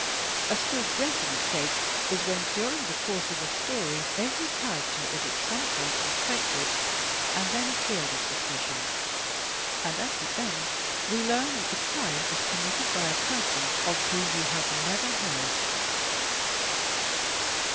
A still greater mistake is when during the course of a story every character is at some time suspected and then cleared of suspicion, and at the end we learn that the crime is committed by a person of whom we have never heard.